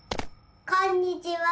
こんにちは。